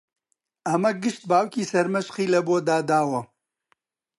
ئەمە گشت باوکی سەرمەشقی لەبۆ داداوە